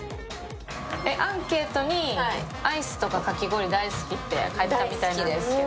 アンケートにアイスとかかき氷大好きって書いてありましたけど？